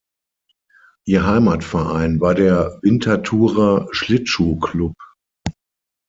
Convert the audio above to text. Ihr Heimatverein war der Winterthurer Schlittschuh-Club.